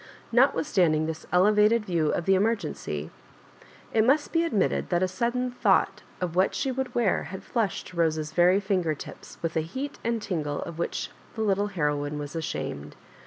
Notwithstanding this ele vated view of the emergency, it must be ad 1 mitted that a sudden thought of what she would wear had flushed to Bose's very finger tips, with a heat and tingle of which the little heroine was ashamed.